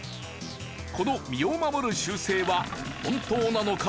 この身を守る習性は本当なのか？